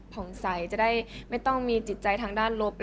ผ่องใสจะได้ไม่ต้องมีจิตใจทางด้านลบ